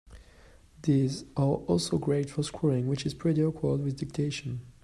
These are also great for scrolling, which is pretty awkward with dictation.